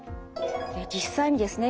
実際にですね